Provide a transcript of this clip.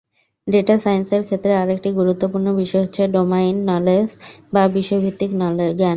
Data সাইন্সের ক্ষেত্রে আরেকটি গুরুত্বপূর্ণ বিষয় হচ্ছে ডোমাইন নলেজ বা বিষয় ভিত্তিক জ্ঞান।